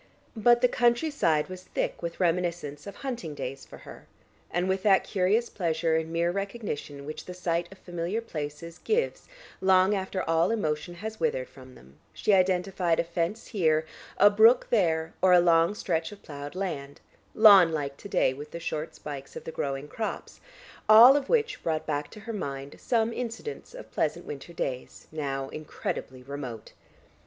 But the country side was thick with reminiscence of hunting days for her, and with that curious pleasure in mere recognition which the sight of familiar places gives long after all emotion has withered from them, she identified a fence here, a brook there, or a long stretch of ploughed land, lawn like to day with the short spikes of the growing crops, all of which brought back to her mind some incidents of pleasant winter days, now incredibly remote.